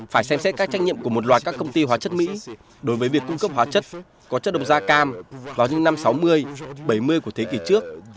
phải xem xét các trách nhiệm của một loạt các công ty hóa chất mỹ đối với việc cung cấp hóa chất có chất độc da cam vào những năm sáu mươi bảy mươi của thế kỷ trước